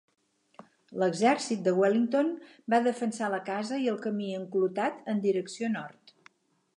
L'exèrcit de Wellington va defensar la casa i el camí enclotat en direcció nord.